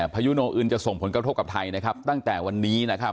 พายุโนอื่นจะส่งผลกระทบกับไทยตั้งแต่วันนี้